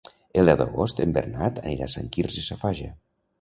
El deu d'agost en Bernat anirà a Sant Quirze Safaja.